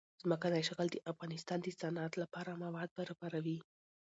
ځمکنی شکل د افغانستان د صنعت لپاره مواد برابروي.